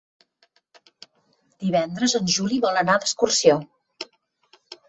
Divendres en Juli vol anar d'excursió.